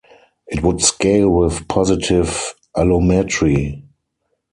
It would scale with positive allometry.